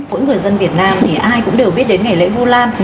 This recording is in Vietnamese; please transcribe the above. mỗi người dân việt nam thì ai cũng đều biết đến ngày lễ vu lan